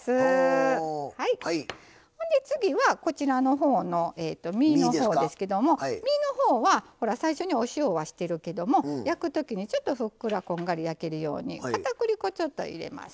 ほんで次は身のほうですけれども身のほうは最初に、お塩はしてるけども焼くときにふっくらこんがり焼けるようにかたくり粉、ちょっと入れます。